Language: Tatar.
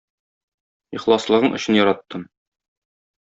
Ихласлыгың өчен яраттым!